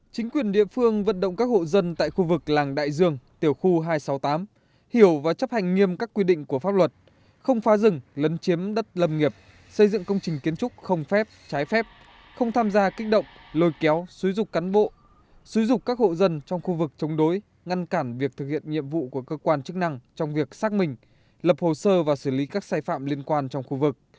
chính quyền địa phương vận động các hộ dân tại khu vực làng đại dương tiểu khu hai trăm sáu mươi tám hiểu và chấp hành nghiêm các quy định của pháp luật không phá rừng lấn chiếm đất lâm nghiệp xây dựng công trình kiến trúc không phép trái phép không tham gia kích động lôi kéo xúi dục cán bộ xúi dục các hộ dân trong khu vực chống đối ngăn cản việc thực hiện nhiệm vụ của cơ quan chức năng trong việc xác minh lập hồ sơ và xử lý các sai phạm liên quan trong khu vực